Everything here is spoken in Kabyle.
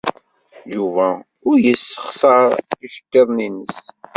Yuba ur yessexṣar iceḍḍiḍen-nnes.